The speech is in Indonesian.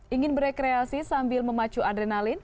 ingin berekreasi sambil memacu adrenalin